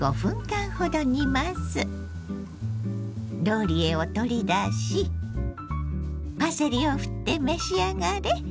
ローリエを取り出しパセリをふって召し上がれ。